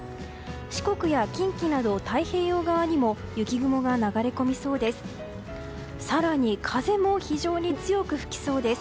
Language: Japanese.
四国や近畿など、太平洋側にも雪雲が流れ込みそうです。